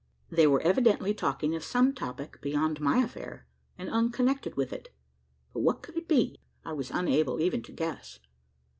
They were evidently talking of some topic beyond my affair, and unconnected with it; but what it could be, I was unable even to guess.